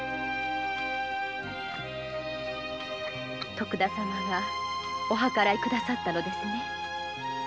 徳田様がお計らい下さったのですね。